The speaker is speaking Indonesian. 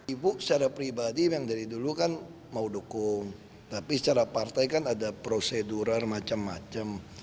ibu secara pribadi memang dari dulu kan mau dukung tapi secara partai kan ada proseduran macam macam